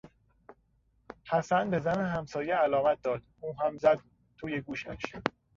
حسن به زن همسایه علامت داد او هم زد توی گوشش